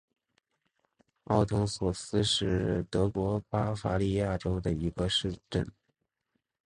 奥滕索斯是德国巴伐利亚州的一个市镇。